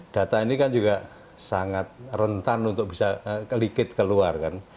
data ini kan juga sangat rentan untuk bisa likit keluar kan